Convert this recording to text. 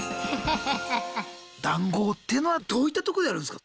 談合っていうのはどういったとこでやるんすか？